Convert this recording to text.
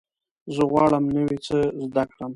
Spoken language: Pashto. زه غواړم نوی څه زده کړم.